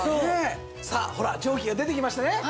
さあほら蒸気が出てきましたね。